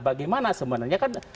bagaimana sebenarnya kan